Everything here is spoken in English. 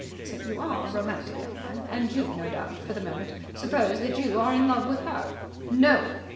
"You are a romantic young man, and you no doubt for the moment suppose that you are in love with her." "No!"